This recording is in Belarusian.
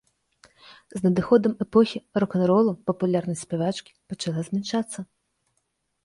З надыходам эпохі рок-н-ролу папулярнасць спявачкі пачала змяншацца.